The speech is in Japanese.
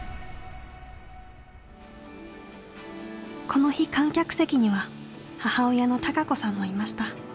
この日観客席には母親の孝子さんもいました。